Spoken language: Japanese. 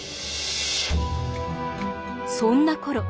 そんなころ